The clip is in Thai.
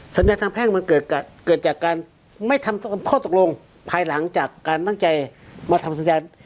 สัญญาทางแพ่งมันเกิดจากการไม่ทำข้อตกลงภายหลังจากการตั้งใจมาทำสัญญาณ